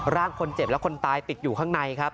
ร่างคนเจ็บและคนตายติดอยู่ข้างในครับ